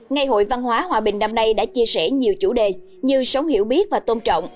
ngày hội văn hóa hòa bình năm nay đã chia sẻ nhiều chủ đề như sống hiểu biết và tôn trọng